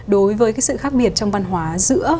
đối với cái sự khác biệt trong văn hóa giữa